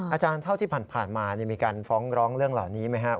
อาจารย์เท่าที่ผ่านมามีการฟ้องร้องเรื่องเหล่านี้ไหมครับ